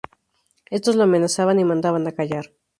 Estos lo amenazaban y mandaban a callar.